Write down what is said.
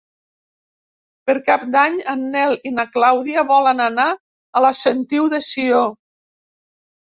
Per Cap d'Any en Nel i na Clàudia volen anar a la Sentiu de Sió.